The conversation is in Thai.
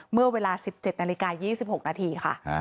เมื่อเวลา๑๗นาฬิกา๒๖นาทีค่ะ